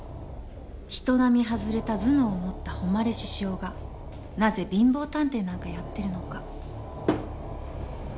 人並み外れた頭脳を持った誉獅子雄がなぜ貧乏探偵なんかやってるのか。